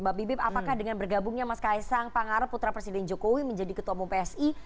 mbak bibip apakah dengan bergabungnya mas kaisang pangarap putra presiden jokowi menjadi ketua umum psi